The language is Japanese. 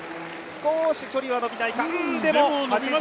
少し距離は伸びないか。